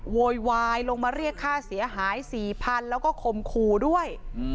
โวยวายลงมาเรียกค่าเสียหาย๔๐๐๐แล้วก็คมขู่ด้วย